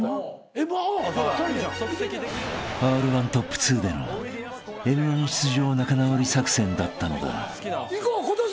［Ｒ−１トップ２でのＭ−１出場仲直り作戦だったのだ］